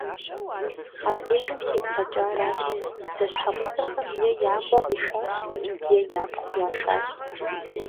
Абдежым сигу къэкӀаращ: зэщхьэгъусэхэм е я къуэ къишащ, е япхъу яшащ.